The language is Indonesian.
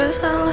aku gak salah